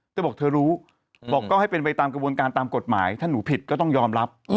เธอบอกเธอรู้บอกก็ให้เป็นไปตามกระบวนการตามกฎหมายถ้าหนูผิดก็ต้องยอมรับ